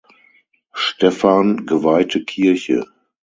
Stephan geweihte Kirche.